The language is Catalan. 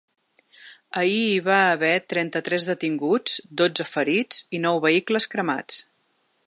Ahir hi va haver trenta-tres detinguts, dotze ferits i nou vehicles cremats.